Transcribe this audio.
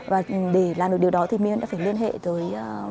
và để làm được điều đó thì minh hương đã phải liên hệ tới